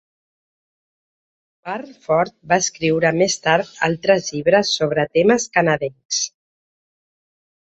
Burnford va escriure més tard altres llibres sobre temes canadencs.